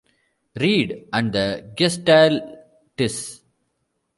Reed and the Gestaltists.